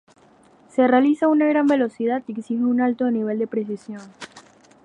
Se realiza a una gran velocidad y exige un alto nivel de precisión.